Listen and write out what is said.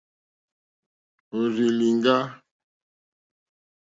Òrzì lìŋɡá.